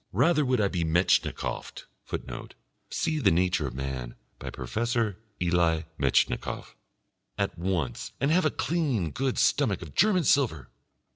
Rather would I be Metchnikoffed [Footnote: See The Nature of Man, by Professor Elie Metchnikoff.] at once and have a clean, good stomach of German silver.